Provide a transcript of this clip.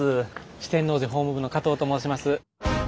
四天王寺法務部の加藤と申します。